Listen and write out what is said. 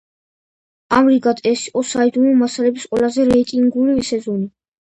ამრიგად, ეს იყო „საიდუმლო მასალების“ ყველაზე რეიტინგული სეზონი.